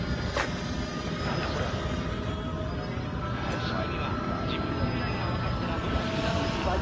もし君は自分の未来が分かったらどうするだろうか？